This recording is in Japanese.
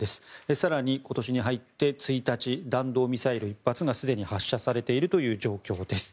更に今年に入って１日弾道ミサイル１発がすでに発射されているという状況です。